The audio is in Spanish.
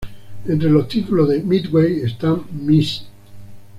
Entre los títulos de Midway están "Ms.